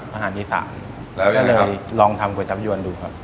อาหารอีสานแล้วก็เลยลองทำก๋วยจับยวนดูครับ